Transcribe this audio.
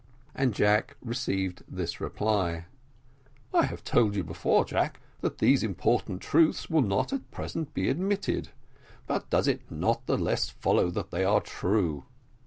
And Jack received this reply "I have told you before, Jack, that these important truths will not at present be admitted but it does not the less follow that they are true.